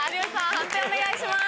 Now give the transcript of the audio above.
判定お願いします。